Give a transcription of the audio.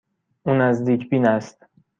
او نزدیک بین است.